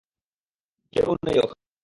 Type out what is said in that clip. কেউ নেই ওখানে।